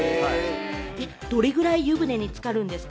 どれぐらい湯船につかるんですか？